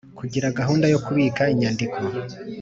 Kugira gahunda yo kubika inyandiko